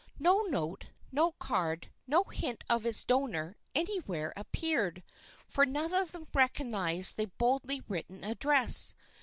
No note, no card, no hint of its donor anywhere appeared, for none of them recognized the boldly written address.